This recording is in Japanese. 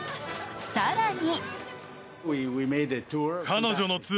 更に。